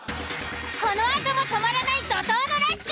このあとも止まらない怒濤のラッシュ！